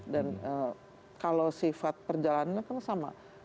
dan kalau sifat perjalanannya kan sama